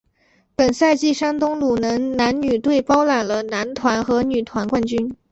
本赛季山东鲁能男女队包揽了男团和女团冠军。